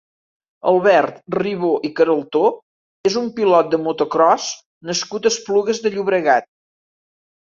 Albert Ribó i Caraltó és un pilot de motocròs nascut a Esplugues de Llobregat.